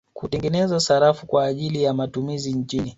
Kutengeneza sarafu kwa ajili ya matumizi nchini